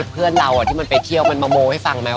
เพื่อนเราที่มันไปเที่ยวมันมาโมให้ฟังไหม